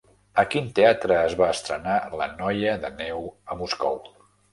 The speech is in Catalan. A quin teatre es va estrenar La noia de neu a Moscou?